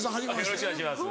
よろしくお願いします。